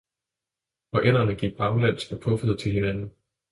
og ænderne gik baglæns og puffede til hinanden.